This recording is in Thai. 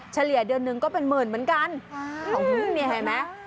เฉลี่ยเดือนหนึ่งก็เป็นหมื่นเหมือนกันเนี่ยเห็นไหม